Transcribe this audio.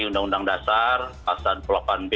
undang undang dasar pasaran delapan belas b